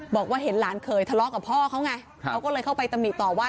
บอกว่าเห็นหลานเคยทะเลาะกับพ่อเขาไงเขาก็เลยเข้าไปตำหนิต่อว่า